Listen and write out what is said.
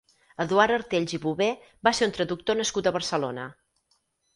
Eduard Artells i Bover va ser un traductor nascut a Barcelona.